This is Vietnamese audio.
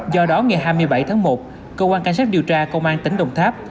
do đó ngày hai mươi bảy tháng một cơ quan cảnh sát điều tra công an tỉnh đồng tháp